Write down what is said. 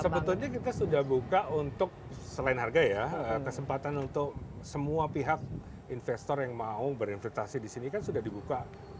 sebetulnya kita sudah buka untuk selain harga ya kesempatan untuk semua pihak investor yang mau berinvestasi di sini kan sudah dibuka